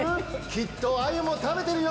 きっとあゆも食べてるよ！